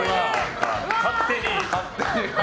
勝手に。